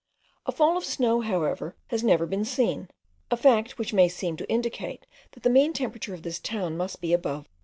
A fall of snow, however, has never been seen; a fact which may seem to indicate that the mean temperature of this town must be above 18.